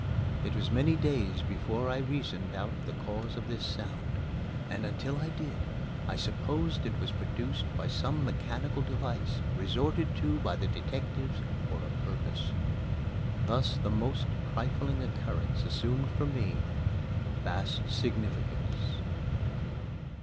It was many days before I reasoned out the cause of this sound; and until I did I supposed it was produced by some mechanical device resorted to by the detectives for a purpose. Thus the most trifling occurrence assumed for me vast significance.